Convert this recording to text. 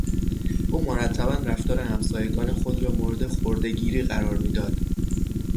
او مرتبا رفتار همسایگان خود را مورد خردهگیری قرار میداد.